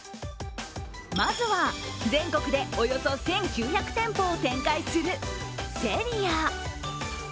まずは、全国でおよそ１９００店舗を展開するＳｅｒｉａ。